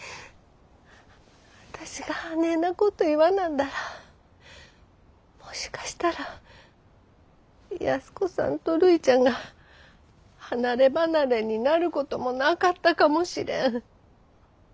私があねえなこと言わなんだらもしかしたら安子さんとるいちゃんが離れ離れになることもなかったかもしれん。